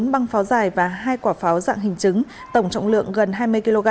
bốn băng pháo dài và hai quả pháo dạng hình chứng tổng trọng lượng gần hai mươi kg